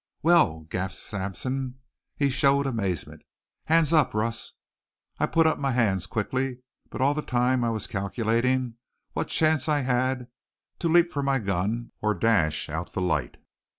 "Well!" gasped Sampson. He showed amazement. "Hands up, Russ!" I put up my hands quickly, but all the time I was calculating what chance I had to leap for my gun or dash out the light.